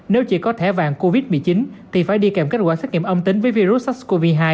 nếu chỉ có thẻ vàng covid một mươi chín thì phải đi kèm kết quả xét nghiệm âm tính với virus sars cov hai